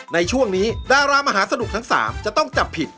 ในช่วงนี้ดารามหาสนุกทั้ง๓จะต้องจับผิด